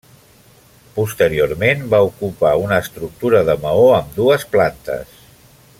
Posteriorment, va ocupar una estructura de maó amb dues plantes.